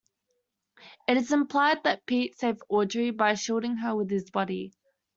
It is implied that Pete saved Audrey by shielding her with his body.